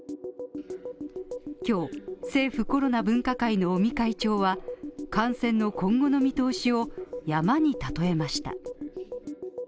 今日、政府コロナ分科会の尾身会長は、感染の今後の見通しを山に例えました。